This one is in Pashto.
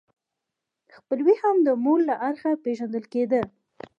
خپلوي هم د مور له اړخه پیژندل کیده.